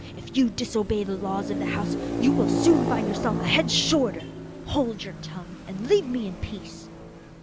If you disobey the laws of the house you will soon find yourself a head shorter! Hold your tongue, and leave me in peace.